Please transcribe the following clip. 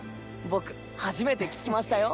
僕初めて聞きましたよ。